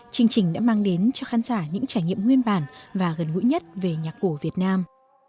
chương trình đã mang đến cho khán giả những trải nghiệm nguyên bản và gần gũi nhất về nhạc cổ việt nam